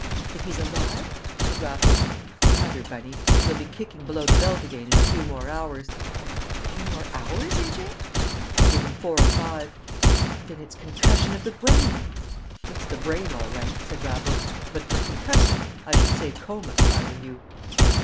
"That he's alive?" said Raffles. "Rather, Bunny, and he'll be kicking below the belt again in a few more hours!" "A few more hours, A.J.?" "I give him four or five." "Then it's concussion of the brain!" "It's the brain all right," said Raffles. "But for 'concussion' I should say 'coma,' if I were you."